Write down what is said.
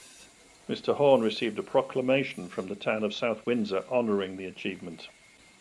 Mr. Haun received a proclamation from the town of South Windsor honoring the achievement.